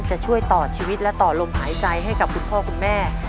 จะช่วยต่อชีวิตและต่อลมหายใจให้กับคุณพ่อคุณแม่